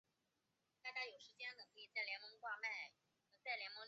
这些抗生素通常能通过抑制细菌细胞壁的合成来杀死大部分的细菌。